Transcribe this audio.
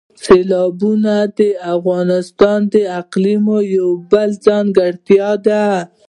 سیلابونه د افغانستان د اقلیم یوه بله ځانګړتیا ده.